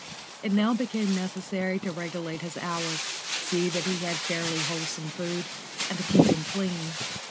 It now became necessary to regulate his hours, see that he had fairly wholesome food, and keep him clean.